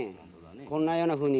こんなようなふうに。